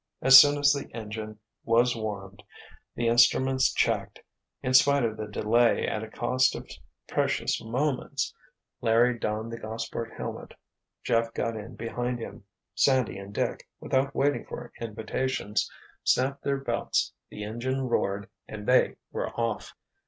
As soon as the engine was warmed, the instruments checked, in spite of the delay at cost of precious moments, Larry donned the Gossport helmet, Jeff got in behind him, Sandy and Dick, without waiting for invitations, snapped their belts—the engine roared—and they were off!